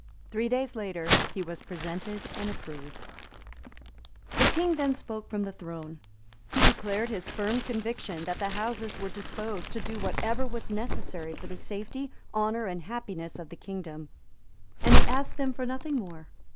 Three days later, he was presented and approved. The King then spoke from the throne. He declared his firm conviction that the Houses were disposed to do whatever was necessary for the safety, honour and happiness of the kingdom; and he asked them for nothing more.